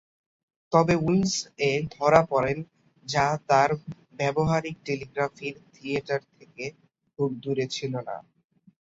তবে উইন্ডসর-এ ধরা পড়েন যা তাঁর ব্যবহারিক টেলিগ্রাফের থিয়েটার থেকে খুব দূরে ছিল না।